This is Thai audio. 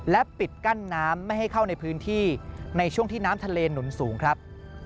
และปิดกั้นน้ำไม่ให้เข้าในพื้นที่ในช่วงที่น้ำทะเลหนุนสูงครับ